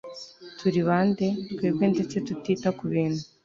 turi bande, twebwe ndetse tutita kubintu